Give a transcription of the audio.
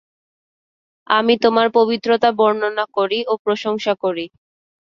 আমি তোমার পবিত্রতা বর্ণনা করি ও প্রশংসা করি।